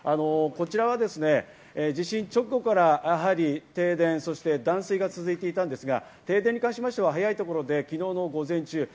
こちらはですね、地震直後からやはり停電・断水が続いていたんですが、停電に関しましては早いところで昨日の午前中。